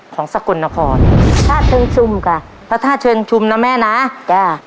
สกลนครธาตุเชิงชุมจ้ะพระธาตุเชิงชุมนะแม่นะจ้ะ